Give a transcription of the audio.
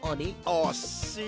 おっしい！